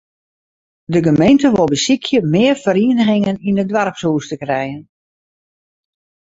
De gemeente wol besykje mear ferieningen yn it doarpshûs te krijen.